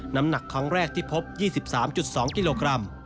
น้ำหนักครั้งแรกที่พบ๒๓๒กิโลกรัม